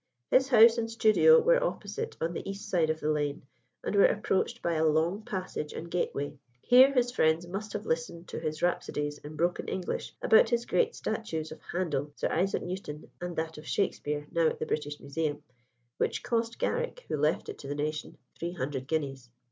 His house and studio were opposite on the east side of the lane, and were approached by a long passage and gateway. Here his friends must have listened to his rhapsodies in broken English about his great statues of Handel, Sir Isaac Newton, and that of Shakspere now at the British Museum, which cost Garrick, who left it to the nation, three hundred guineas.